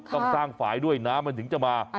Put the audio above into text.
ต้องสร้างฝ่ายด้วยน้ำมันถึงจะมา